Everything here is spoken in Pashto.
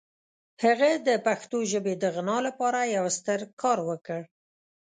هغه د پښتو ژبې د غنا لپاره یو ستر کار وکړ.